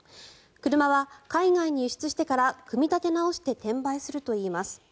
車は海外に輸出してから組み立て直して転売するといいます。